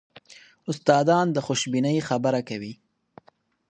استادان د خوشبینۍ خبره کوي.